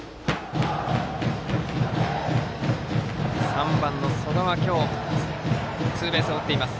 ３番の曽我は今日ツーベースを打っています。